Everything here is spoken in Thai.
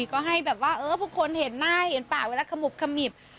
ก็ให้แบบว่าเออผู้คนเห็นหน้าเห็นปากเวลาขมุบขมิบ